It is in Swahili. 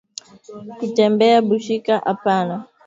Kutembea bushiku apana